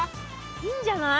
いいんじゃない？